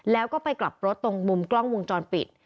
แล้วก็ไปกลับรถตรงมุมกล้องวงจรปิด